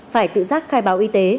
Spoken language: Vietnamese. phải tự giác khai báo y tế